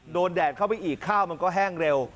แดดเข้าไปอีกข้าวมันก็แห้งเร็ว